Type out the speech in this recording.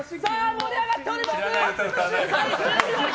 盛り上がっております！